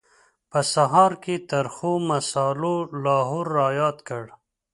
په سهار کې ترخو مسالو لاهور را یاد کړو.